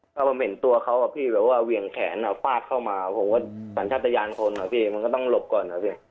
ผมเห็นตัวเขาแบบวิ่งแขนฟาดเข้ามาผมก็สัญชาติยานคนมันก็ต้องหลบก่อน